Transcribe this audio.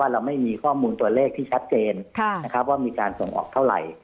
เราไม่มีข้อมูลตัวเลขที่ชัดเจนว่ามีการส่งออกเท่าไหร่